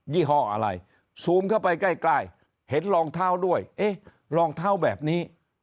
ี่ห้ออะไรซูมเข้าไปใกล้เห็นรองเท้าด้วยเอ๊ะรองเท้าแบบนี้